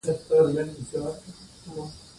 ،نمونه او ساده کرکترونو څخه هم کار اخستل شوى